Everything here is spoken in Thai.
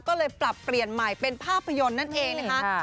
ก็เลยปรับเปลี่ยนใหม่เป็นภาพยนตร์นั่นเองนะคะ